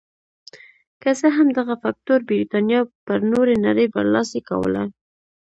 که څه هم دغه فکټور برېتانیا پر نورې نړۍ برلاسې کوله.